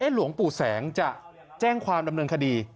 หลวงปู่แสงจะแจ้งความดำเนินคดี